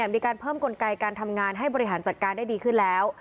มีการเพิ่มกลไกการทำงานให้บริหารจัดการได้ดีขึ้นแล้ว